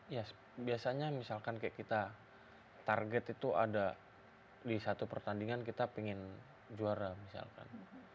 ya biasanya misalkan kayak kita target itu ada di satu pertandingan kita ingin juara misalkan